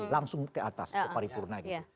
langsung ke atas ke paripurna gitu